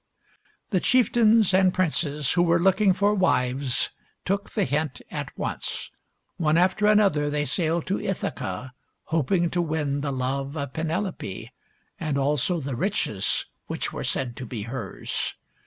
The chieftains and princes who were looking for wives took the hint at once. One after another they sailed to Ithaca, hoping to win the love of Penelope and also the riches which were said to be hers.